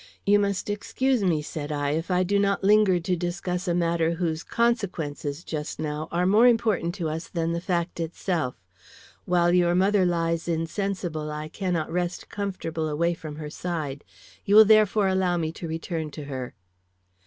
"You must excuse me," said I, "if I do not linger to discuss a matter whose consequences just now are more important to us than the fact itself. While your mother lies insensible I cannot rest comfortable away from her side. You will therefore allow me to return to her."